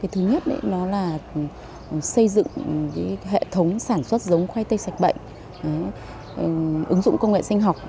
thứ nhất đó là xây dựng hệ thống sản xuất giống khoai tây sạch bệnh ứng dụng công nghệ sinh học